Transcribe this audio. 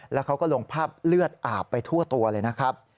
แล้วเขาก็ลงภาพเลือดอาบไปทั่วตัวเลยนะครับ